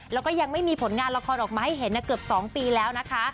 แล้วก็ยังไม่มีผลงานละครออกมาให้เห็นเกือบ๒ปีแล้วนะคะ